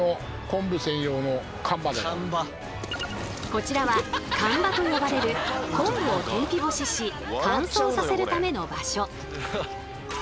こちらは「干場」と呼ばれる昆布を天日干しし乾燥させるための場所。